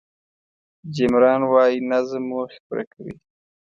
جیم ران وایي نظم موخې پوره کوي.